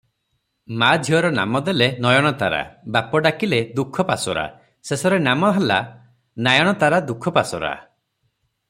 ମା ଝିଅର ନାମ ଦେଲେ, ନୟନତାରା- ବାପ ଡାକିଲେ ଦୁଃଖପାସୋରା- ଶେଷରେ ନାମ ହେଲା ନାୟନତାରା ଦୁଃଖପାସୋରା ।